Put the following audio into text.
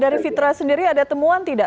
dari fitra sendiri ada temuan tidak